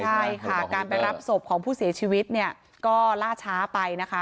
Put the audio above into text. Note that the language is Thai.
ใช่ค่ะการไปรับศพของผู้เสียชีวิตเนี่ยก็ล่าช้าไปนะคะ